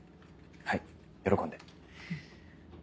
はい喜んで。